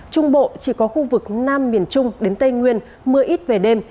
trung bộ chỉ có khu vực nam miền trung đến tây nguyên mưa ít về đêm